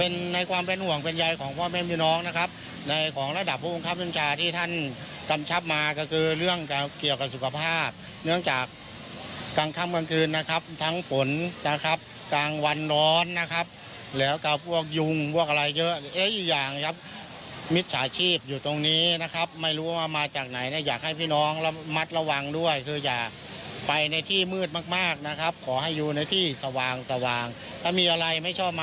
ในความเป็นห่วงเป็นใยของพ่อแม่นพี่น้องนะครับในของระดับพระองค์ครับจริงจาที่ท่านกำชับมาก็คือเรื่องเกี่ยวกับสุขภาพเนื่องจากกลางค่ำกลางคืนนะครับทั้งฝนนะครับกลางวันร้อนนะครับแล้วกับพวกยุงพวกอะไรเยอะอีกอย่างนะครับมิตรสาชีพอยู่ตรงนี้นะครับไม่รู้ว่ามาจากไหนเนี่ยอยากให้พี่น้องมัดระวังด้วยคือจะไป